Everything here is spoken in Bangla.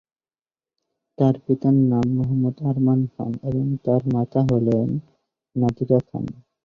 তার পিতার নাম মোহাম্মদ আরমান খান এবং তার মাতা হলেন নাদিরা খান।